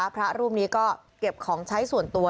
พระรูปนี้ก็เก็บของใช้ส่วนตัว